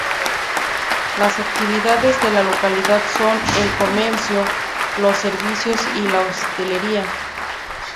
Las actividades de la localidad son el comercio, los servicios y la hostelería.